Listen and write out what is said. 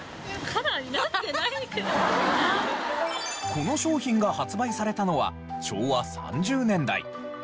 この商品が発売されたのは昭和３０年代。